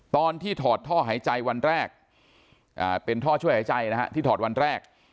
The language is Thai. ถอดท่อหายใจวันแรกเป็นท่อช่วยหายใจนะฮะที่ถอดวันแรก